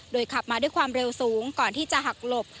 ขับมาด้วยความเร็วสูงก่อนที่จะหักหลบ